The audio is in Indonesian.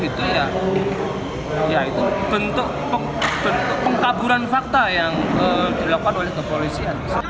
itu ya itu bentuk pengkaburan fakta yang dilakukan oleh kepolisian